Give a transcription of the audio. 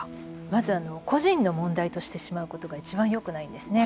まず、個人の問題としてしまうことがいちばんよくないんですね。